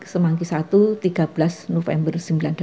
semangki satu tiga belas november